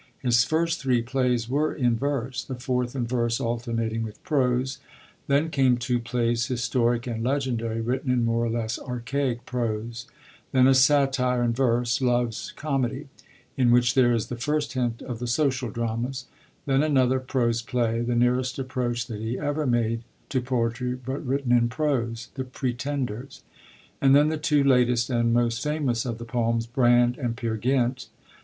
His first three plays were in verse, the fourth in verse alternating with prose; then came two plays, historic and legendary, written in more or less archaic prose; then a satire in verse, Love's Comedy, in which there is the first hint of the social dramas; then another prose play, the nearest approach that he ever made to poetry, but written in prose, The Pretenders; and then the two latest and most famous of the poems, Brand and Peer Gynt.